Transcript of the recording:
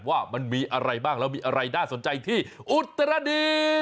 ว่ามันมีอะไรบ้างแล้วมีอะไรน่าสนใจที่อุตรดี